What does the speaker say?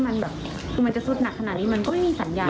มันก็ไม่มีสัญญา